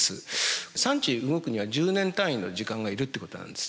産地動くには１０年単位の時間がいるってことなんです。